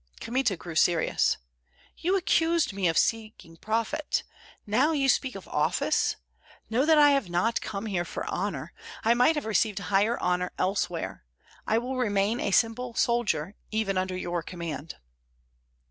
Kmita grew serious. "You accused me of seeking profit; now you speak of office. Know that I have not come here for honor. I might have received higher honor elsewhere. I will remain a simple soldier, even under your command."